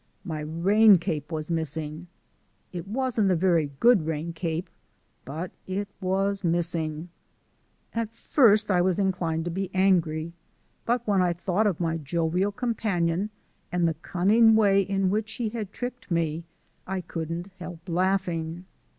My rain cape was missing! It wasn't a very good rain cape, but it was missing. At first I was inclined to be angry, but when I thought of my jovial companion and the cunning way in which he had tricked me, I couldn't help laughing.